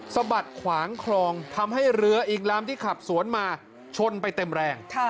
สะบัดขวางคลองทำให้เรืออีกลำที่ขับสวนมาชนไปเต็มแรง